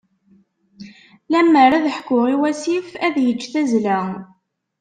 Lemmer ad ḥkuɣ i wasif, ad yeǧǧ tazzla.